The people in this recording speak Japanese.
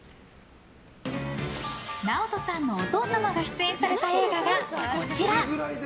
ＮＡＯＴＯさんのお父様が出演された映画がこちら。